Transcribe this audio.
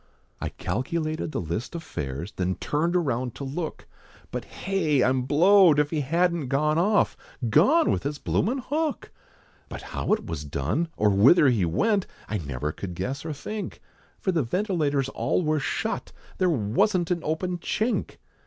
I calculated the list of fares, Then turned around to look, But hey! I'm blowed, if he hadn't gone off, Gone! with his bloomin' hook! But how it was done, or whither he went, I never could guess, or think, For the ventilators all were shut, There wasn't an open chink!